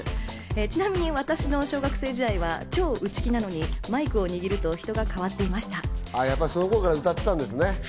ちなみに私の小学生時代は超内気なのにマイクを握ると人が変わっやっぱり、その頃から歌っていたんですね。